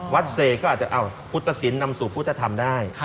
วัดเสกก็อาจจะอ้าวพุทธสินนำสู่พุทธธรรมได้